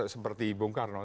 seperti ibu karno